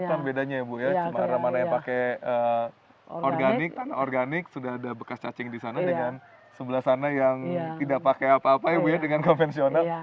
apa bedanya ya bu ya cemara mana yang pakai organik tanah organik sudah ada bekas cacing di sana dengan sebelah sana yang tidak pakai apa apa ya bu ya dengan konvensional